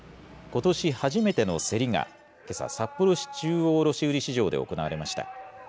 ことし初めての競りがけさ、札幌市中央卸売市場で行われました。